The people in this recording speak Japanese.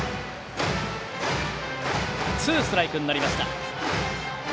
ツーストライクになりました。